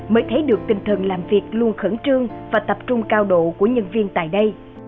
mới thấy được tinh thần làm việc luôn khẩn trương và tập trung cao độ của nhân viên tại đây